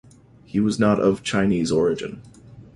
He was not of Chinese origin.